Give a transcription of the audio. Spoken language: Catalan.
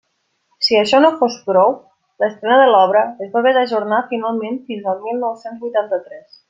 Si això no fos prou, l'estrena de l'obra es va haver d'ajornar finalment fins al mil nou-cents vuitanta-tres.